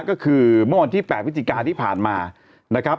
ก็คือเมื่อวันที่๘พฤศจิกาที่ผ่านมานะครับ